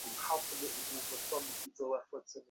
রাগী-রাগী গলায় অনেকক্ষণ কথা বলবার পর, হঠাৎ তার রাগ পড়ে যায়।